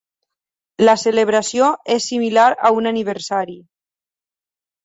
La celebració és similar a un aniversari.